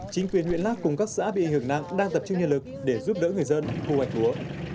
chính quyền nguyễn lắc cùng các xã bị ảnh hưởng nặng đang tập trung nhân lực để giúp đỡ người dân thu hoạch lúa